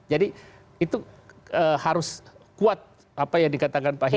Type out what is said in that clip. jadi itu harus kuat apa yang dikatakan pak hika